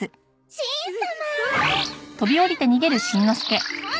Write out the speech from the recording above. しん様！